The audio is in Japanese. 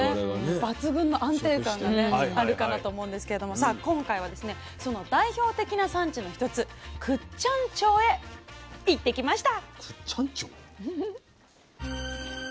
抜群の安定感がねあるかなと思うんですけれどもさあ今回はですねその代表的な産地の一つ倶知安町へ行ってきました。